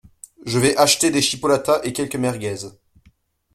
Je vais acheter des chipolatas et quelques merguez.